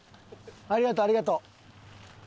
ありがとうありがとう。